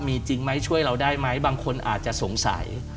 มีจริงไหมช่วยเราได้ไหมบางคนอาจจะสงสัย